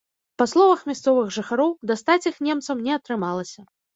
Па словах мясцовых жыхароў, дастаць іх немцам не атрымалася.